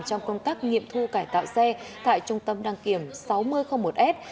trong công tác nghiệm thu cải tạo xe tại trung tâm đăng kiểm sáu nghìn một s